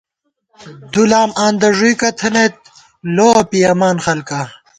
دُولام آندہ ݫُوئیکہ تھنَئیت ، لووَہ پِیَمان خلکا